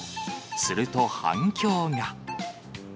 すると反響が。